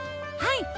はい！